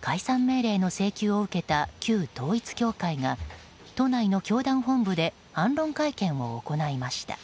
解散命令の請求を受けた旧統一教会が都内の教団本部で反論会見を行いました。